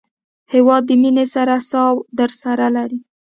هېواد د مینې هره ساه درسره لري.